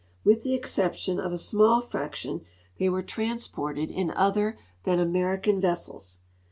With the exception of a small fraction, they were transported in other than American vessels.